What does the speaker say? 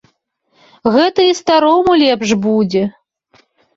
Гэта і старому лепш будзе.